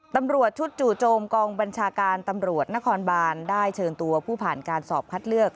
ตำรวจชุดจู่โจมกองบัญชาการตำรวจนครบานได้เชิญตัวผู้ผ่านการสอบคัดเลือก